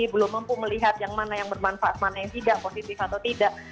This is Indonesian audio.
belum mampu melihat yang mana yang bermanfaat mana yang tidak positif atau tidak